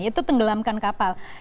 yaitu tenggelamkan kapal